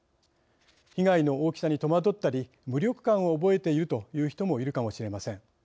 被害の大きさに戸惑ったり無力感をおぼえているという人もいるかもしれません。